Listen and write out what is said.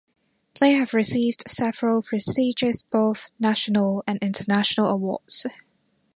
They have received several prestigious both national and international awards.